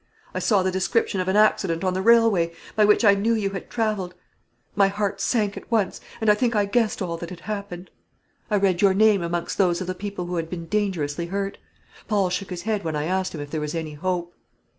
I saw the description of an accident on the railway, by which I knew you had travelled. My heart sank at once, and I think I guessed all that had happened. I read your name amongst those of the people who had been dangerously hurt. Paul shook his head when I asked him if there was any hope.